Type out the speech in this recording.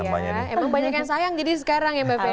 emang banyak yang sayang jadi sekarang ya mbak fer